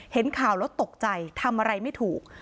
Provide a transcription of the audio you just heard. เห็นข่าวแล้วตกใจทำอะไรไม่ถูก